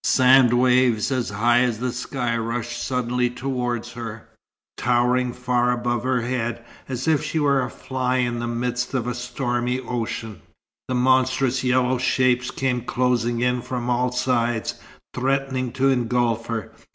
Sand waves as high as the sky rushed suddenly towards her, towering far above her head, as if she were a fly in the midst of a stormy ocean. The monstrous yellow shapes came closing in from all sides, threatening to engulf her.